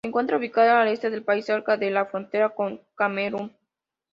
Se encuentra ubicada al este del país, cerca de la frontera con Camerún.